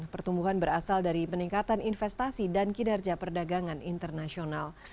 pertumbuhan berasal dari peningkatan investasi dan kinerja perdagangan internasional